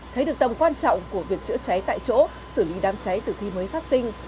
thấy được tầm quan trọng của việc chữa cháy tại chỗ xử lý đám cháy từ khi mới phát sinh